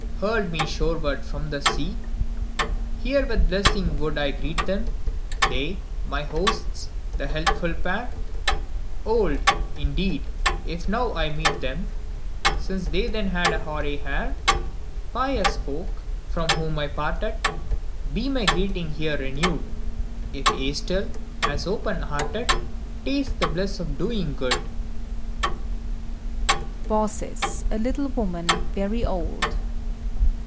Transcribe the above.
Hurled me shoreward from the sea ! Here with blessing would I greet them, They, my hosts, the helpful pair, — Old, indeed, if now I meet them. Since they then had hoary hair. Pious folk, from whom I parted ! Be my greeting here renewed. If ye still, as open hearted, Taste the bliss of doing good! BAUCIS (a little woman, very old).